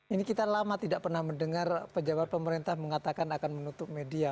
ini kita lama tidak pernah mendengar pejabat pemerintah mengatakan akan menutup media